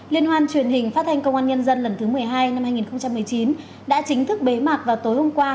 liên hoan truyền hình phát thanh công an nhân dân lần thứ một mươi hai năm hai nghìn một mươi chín đã chính thức bế mạc vào tối hôm qua